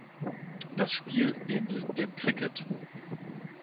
Das Spiel ähnelt dem Cricket.